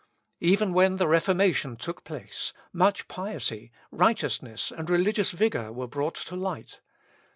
Even when the Reformation took place, much piety, righteousness, and religious vigour, were brought to light.